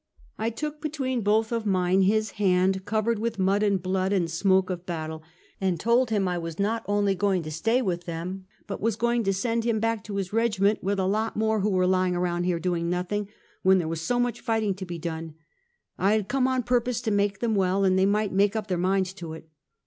" I took between both of mine his hand, covered with mud and blood and smoke of battle, and told him I was not only going to stay with them, but was going to send him back to his regiment, with a lot more who were lying around here doing nothing, when there was so much fighting to be done; I had come on purpose to make them well, and they might make up their minds to it.